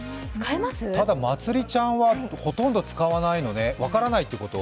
ただ、まつりちゃんは、ほとんど使わないのね分からないってこと？